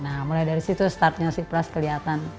nah mulai dari situ startnya sih pras kelihatan